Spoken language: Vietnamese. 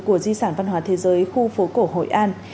của di sản văn hóa thế giới khu phố cổ hội an